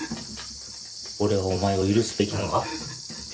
俺はお前を許すべきなのか？